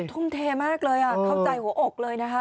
ทุ่มเทมากเลยเข้าใจหัวอกเลยนะคะ